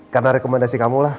karena rekomendasi kamu lah